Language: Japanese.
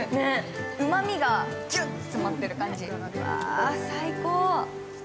うまみがギュッと詰まっている感じ、最高。